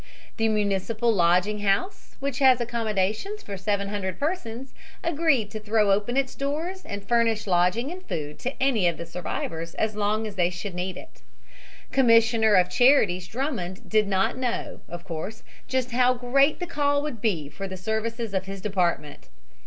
The Municipal Lodging House, which has accommodations for 700 persons, agreed to throw open its doors and furnish lodging and food to any of the survivors as long as they should need it. Commissioner of Charities Drummond did not know, of course, just how great the call would be for the services of his department.